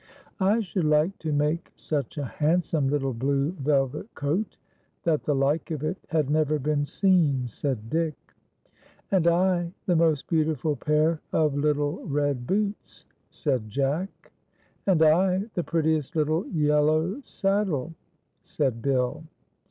" I should like to make such a handsome little blue velvet coat, that the like of it had never been seen," said Dick. " And I the most beautiful pair of little red boots," said Jack. "And I the prettiest little yellow saddle," said Bill.